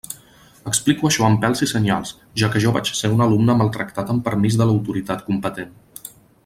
Explico això amb pèls i senyals, ja que jo vaig ser un alumne maltractat amb permís de l'autoritat competent.